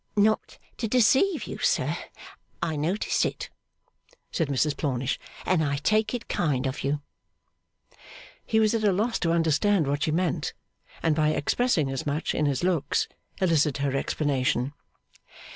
'Not to deceive you, sir, I notice it,' said Mrs Plornish, 'and I take it kind of you.' He was at a loss to understand what she meant; and by expressing as much in his looks, elicited her explanation.